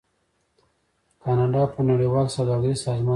کاناډا په نړیوال سوداګریز سازمان کې دی.